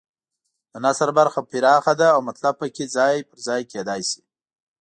د نثر برخه پراخه ده او مطلب پکې ځای پر ځای کېدای شي.